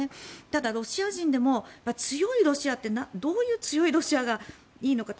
ただ、ロシア人でも強いロシアってどういう強いロシアがいいのか。